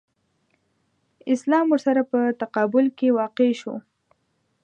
اسلام ورسره په تقابل کې واقع شو.